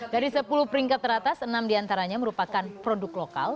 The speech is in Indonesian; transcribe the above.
dari sepuluh peringkat teratas enam diantaranya merupakan produk lokal